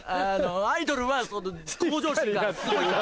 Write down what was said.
アイドルは向上心がすごいから。